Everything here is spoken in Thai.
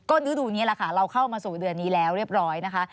ฤดูนี้แหละค่ะเราเข้ามาสู่เดือนนี้แล้วเรียบร้อยนะคะ